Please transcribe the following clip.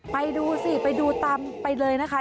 ไปดูสิไปดูตามไปเลยนะคะ